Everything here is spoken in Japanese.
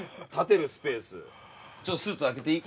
ちょっとスーツ開けていい？